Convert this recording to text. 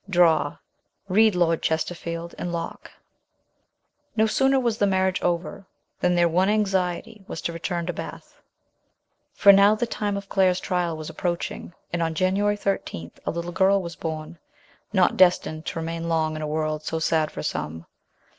Draw. Read Lord Chesterfield and Locke." 118 MRS. SHELLEY. No sooner was the marriage over than their one anxiety was to return to Bath ; for now the time of Claire's trial was approaching, and on January 13 a little girl was born, not destined to remain long in a world so sad for some.